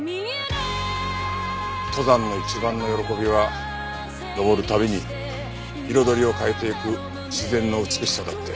登山の一番の喜びは登るたびに彩りを変えていく自然の美しさだって。